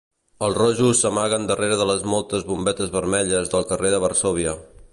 Els rojos s'amaguen darrere de les moltes bombetes vermelles del carrer de Varsòvia.